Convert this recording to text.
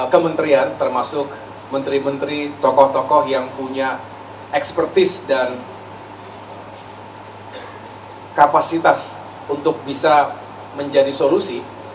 kementerian termasuk menteri menteri tokoh tokoh yang punya ekspertis dan kapasitas untuk bisa menjadi solusi